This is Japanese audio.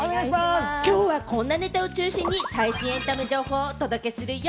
きょうはこんなネタを中心に最新エンタメ情報をお届けするよ。